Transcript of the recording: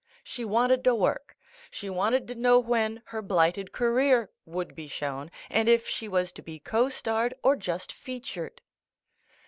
She wanted to work. She wanted to know when "Her Blighted Career" would be shown, and if she was to be co starred or just featured.